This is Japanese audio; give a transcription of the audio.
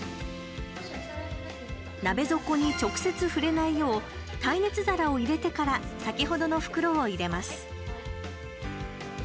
鍋底に直接触れないよう耐熱皿を入れてから先ほどの袋を入れます。